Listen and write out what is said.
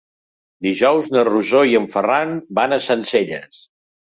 Dijous na Rosó i en Ferran van a Sencelles.